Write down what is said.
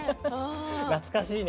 懐かしいね。